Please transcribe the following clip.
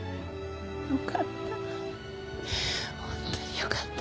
よかった。